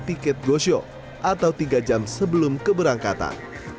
tiket gosyo atau tiga jam sebelum keberangkatan